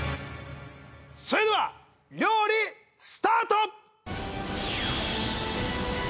それでは料理スタート！